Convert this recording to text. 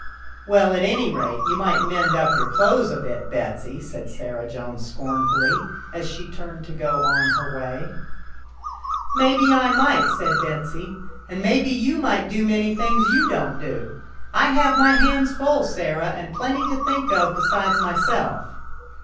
" Well, at any rate, you might mend up your 82 ANYHOW STOKIES. [STORY clothes a bit, Betsy," said Sarah Jones scornfully, as she turned to go on her way. " Maybe I might," said Betsy, " and maybe you might do many things you don't do. I have my hands full, Sarah, and plenty to think of besides myself."